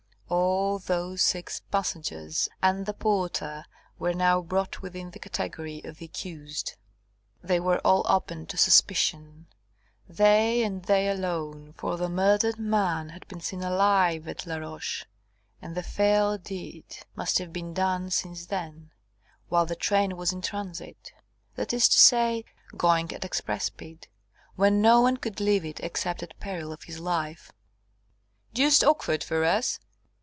All those six passengers and the porter were now brought within the category of the accused. They were all open to suspicion; they, and they alone, for the murdered man had been seen alive at Laroche, and the fell deed must have been done since then, while the train was in transit, that is to say, going at express speed, when no one could leave it except at peril of his life. "Deuced awkward for us!"